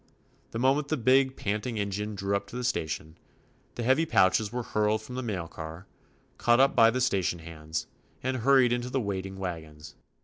The moment the big panting engine drew up to the station, the heavy pouches were hurled from the mail car, caught up by the station hands, and hurried into the waiting wagons.